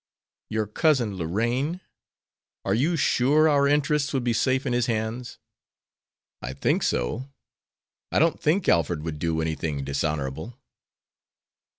"Your cousin Lorraine? Are you sure our interests would be safe in his hands?" "I think so; I don't think Alfred would do anything dishonorable."